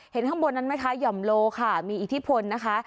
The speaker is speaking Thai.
ข้างบนนั้นไหมคะห่อมโลค่ะมีอิทธิพลนะคะ